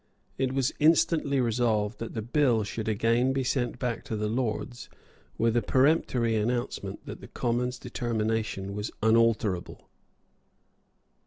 It was instantly resolved that the bill should again be sent back to the Lords with a peremptory announcement that the Commons' determination was unalterable.